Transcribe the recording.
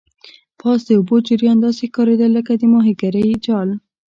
پاس د اوبو جریان داسې ښکاریدل لکه د ماهیګرۍ جال.